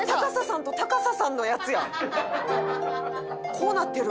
「こうなってる」